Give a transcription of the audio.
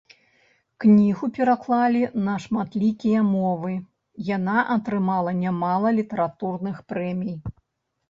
Кнігу пераклалі на шматлікія мовы, яна атрымала нямала літаратурных прэмій.